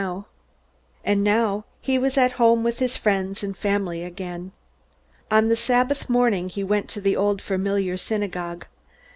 And now he was at home with his friends and family again. On the Sabbath morning he went to the old familiar synagogue.